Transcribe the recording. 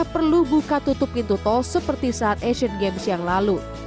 perlu buka tutup pintu tol seperti saat asian games yang lalu